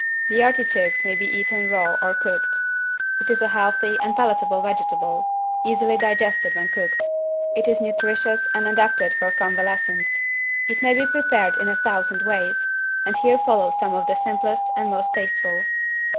The artichokes may be eaten raw or cooked. It is a healthy and palatable vegetable, easily digested when cooked. It is nutritious and adapted for convalescents. It may be prepared in a thousand ways, and here follow some of the simplest and most tasteful.